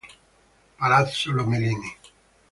Palazzo Lomellini